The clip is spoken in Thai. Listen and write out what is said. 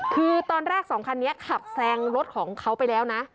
คือตอนแรกสองคันนี้ขับแซงรถของเขาไปแล้วนะ